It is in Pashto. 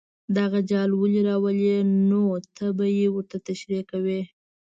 دغه جال ولې راولي نو ته به یې ورته تشریح کوې.